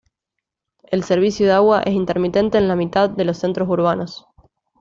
El servicio de agua es intermitente en la mitad de los centros urbanos.